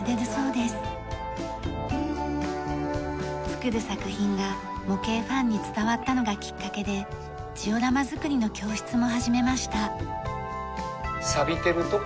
作る作品が模型ファンに伝わったのがきっかけでジオラマ作りの教室も始めました。